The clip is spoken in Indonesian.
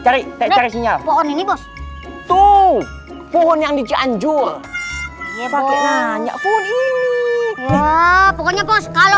cari cari sinyal pohon ini bos tuh pohon yang dijanjur pakai banyak fungsi pokoknya kalau